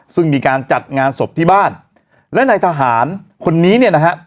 ซึ่งมีการจัดงานศพที่บ้านและนายทหารคนนี้เนี่ยนะฮะ